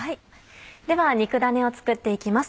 では肉だねを作って行きます。